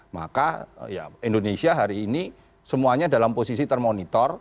maka indonesia hari ini semuanya dalam posisi termonitor